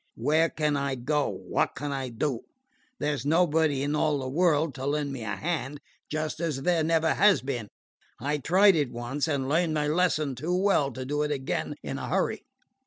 "Where can I go? What can I do? There 's nobody in all the world to lend me a hand, just as there never has been. I tried it once, and learned my lesson too well to do it again in a hurry."